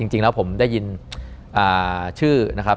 จริงแล้วผมได้ยินชื่อนะครับ